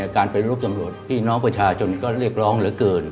การเป็นรูปตำรวจพี่น้องประชาชนก็เรียกร้องเหลือเกิน